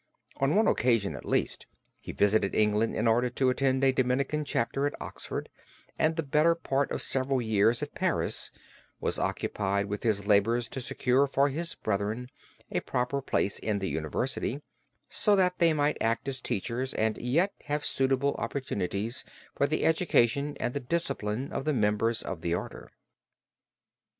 On one occasion at least he visited England in order to attend a Dominican Chapter at Oxford, and the better part of several years at Paris was occupied with his labors to secure for his brethren a proper place in the university, so that they might act as teachers and yet have suitable opportunities for the education and the discipline of the members of the Order.